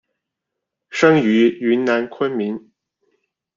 生于云南昆明。